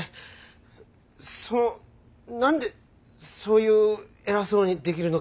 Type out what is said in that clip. その何でそういう偉そうにできるのか